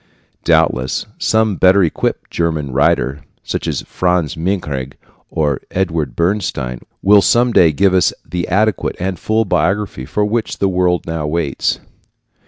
Doubtless some better equipped German writer, such as Franz Mehring or Eduard Bernstein, will some day give us the adequate and full biography for which the world now waits.